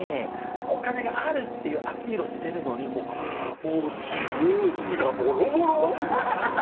お金があるっていうアピールをしてるのにシューズがボロボロ。